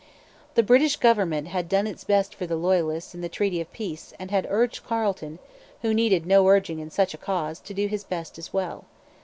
The British government had done its best for the Loyalists in the treaty of peace and had urged Carleton, who needed no urging in such a cause, to do his best as well.